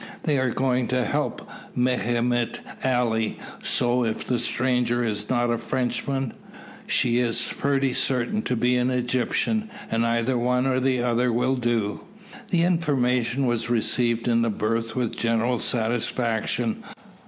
They are going to help Mehemet Ali, so if the stranger is not a Frenchman, she is pretty certain to be an Egyptian, and either one or the other will do." The information was received in the berth with general satisfaction.